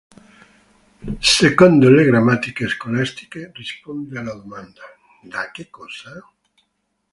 Secondo le grammatiche scolastiche, risponde alla domanda "da che cosa?